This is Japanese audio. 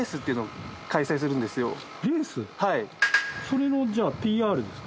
それのじゃあＰＲですか？